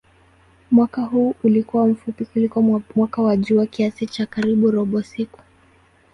Mwaka huo ulikuwa mfupi kuliko mwaka wa jua kiasi cha karibu robo siku.